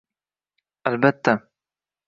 U-aaa, albatta